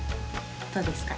どうですか？